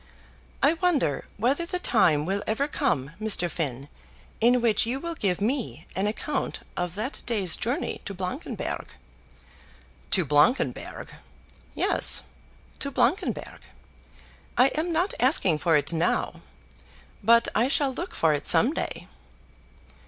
"I wonder whether the time will ever come, Mr. Finn, in which you will give me an account of that day's journey to Blankenberg?" "To Blankenberg!" "Yes; to Blankenberg. I am not asking for it now. But I shall look for it some day."